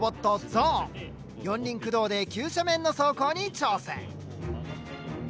四輪駆動で急斜面の走行に挑戦。